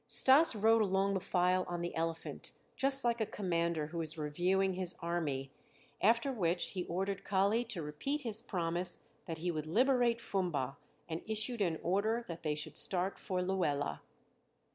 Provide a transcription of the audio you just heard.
Stas rode along the file on the elephant, just like a commander who is reviewing his army, after which he ordered Kali to repeat his promise that he would liberate Fumba, and issued an order that they should start for Luela.